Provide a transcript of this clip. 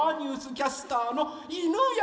キャスターの犬山